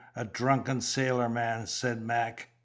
a drunken sailor man," said Mac.